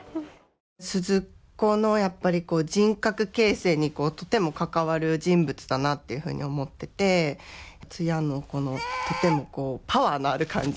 鈴子のやっぱり人格形成にとても関わる人物だなっていうふうに思っててツヤのこのとてもパワーのある感じ。